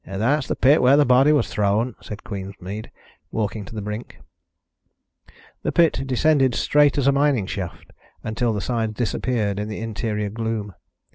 "That's the pit where the body was thrown," said Queensmead, walking to the brink. The pit descended straight as a mining shaft until the sides disappeared in the interior gloom.